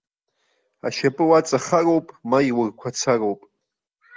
Ашьапы уаҵахароуп ма иурқәацароуп!